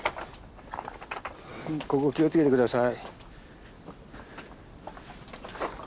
ここ気を付けて下さい。